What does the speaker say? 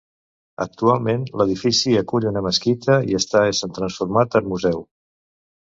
Actualment, l'edifici acull una mesquita i està sent transformat en museu.